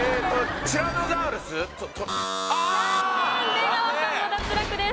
出川さんも脱落です。